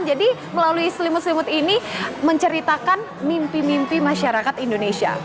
melalui selimut selimut ini menceritakan mimpi mimpi masyarakat indonesia